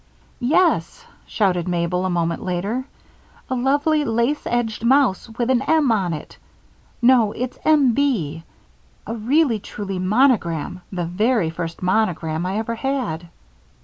"Yes!" shouted Mabel, a moment later. "A lovely lace edged mouse with an 'M' on it no, it's 'M B' a really truly monogram, the very first monogram I ever had."